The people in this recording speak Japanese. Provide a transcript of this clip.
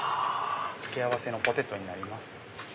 付け合わせのポテトになります。